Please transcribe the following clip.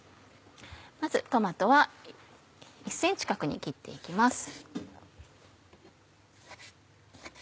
まずトマトは１ｃｍ角に切って行きます。